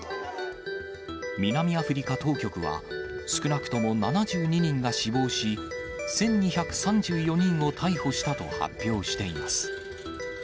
南アフリカ当局は、少なくとも７２人が死亡し、１２３４人を逮捕したと発表しています。